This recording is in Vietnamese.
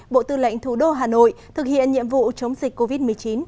bộ tư lệnh thủ đô hà nội thực hiện nhiệm vụ chống dịch covid một mươi chín